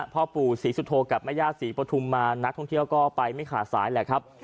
พ่อปู่ศรีสุโธกับแม่ย่าศรีปฐุมมานักท่องเที่ยวก็ไปไม่ขาดสายแหละครับ